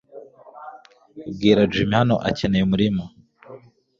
Bwira Jimmy hano Akeneye umurima